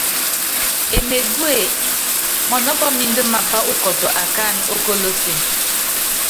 Emegúe, mɔnɔ́ pɔ́ɔmindɛ mapá ukɔtɔ akáánɛ ókolose.